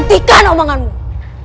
aku tidak akan segan segan membunuhmu